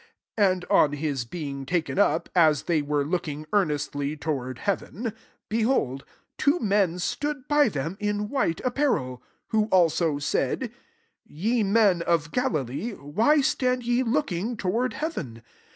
10 And on his being taken up, as they were looking earnestly toward heaven, be hold, two men stood by them in white apparel ; 11 who also said, " Ye men of Galilee, why stand ye looking toward hea ven